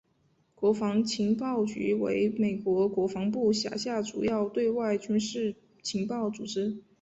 国防情报局为美国国防部辖下主要对外军事情报组织。